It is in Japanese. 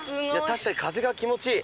確かに風が気持ちいい！